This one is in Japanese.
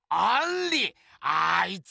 あいつか！